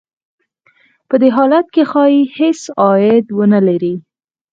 په دې حالت کې ښايي هېڅ عاید ونه لري